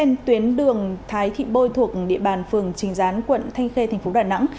trên tuyến đường thái thị bôi thuộc địa bàn phường trình gián quận thanh khê tp đà nẵng